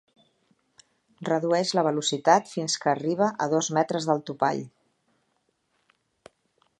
Redueix la velocitat fins que arriba a dos metres del topall.